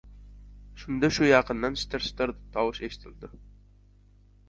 Shunda, shu yaqindan shitir-shitir tovush eshitildi.